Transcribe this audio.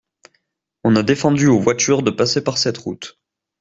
On a défendu aux voitures de passer par cette route.